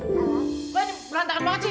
lu ini berantakan banget sih